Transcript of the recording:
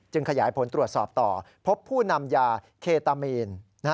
ขยายผลตรวจสอบต่อพบผู้นำยาเคตามีน